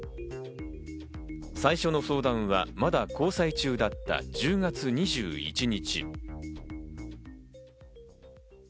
最初の相談はまだ交際中だった１０月２１日。